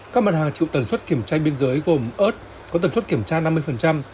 các mặt hàng chịu tần suất kiểm tra biên giới gồm ớt có tần suất kiểm tra năm mươi